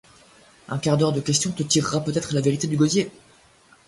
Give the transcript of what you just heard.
Un quart d'heure de question te tirera peut-être la vérité du gosier.